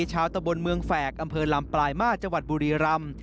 ตะบนเมืองแฝกอำเภอลำปลายมาสจังหวัดบุรีรำ